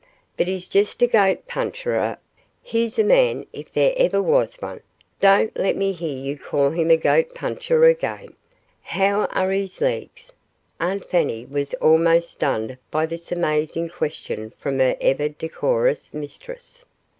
"But he's jes' a goat puncheh er a " "He's a man, if there ever was one. Don't let me hear you call him a goat puncher again. How are his legs?" Aunt Fanny was almost stunned by this amazing question from her ever decorous mistress.